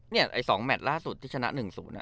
เนี่ย๒แมทล่าสุดที่ชนะ๑๐อะ